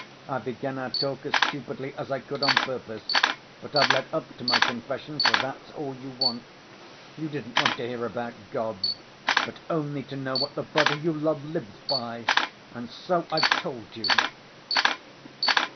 I began our talk as stupidly as I could on purpose, but I've led up to my confession, for that's all you want. You didn't want to hear about God, but only to know what the brother you love lives by. And so I've told you."